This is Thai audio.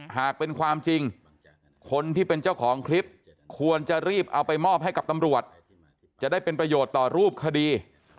หากเป็นความจริงคนที่เป็นเจ้าของคลิปควรจะรีบเอาไปมอบให้กับตำรวจจะได้เป็นประโยชน์ต่อรูปคดี